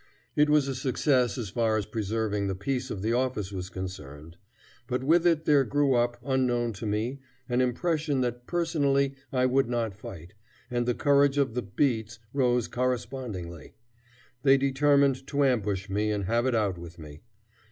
It was a success as far as preserving the peace of the office was concerned. But with it there grew up, unknown to me, an impression that personally I would not fight, and the courage of the beats rose correspondingly. They determined to ambush me and have it out with me.